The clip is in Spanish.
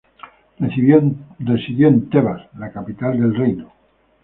Residió en Tebas, la capital del reino.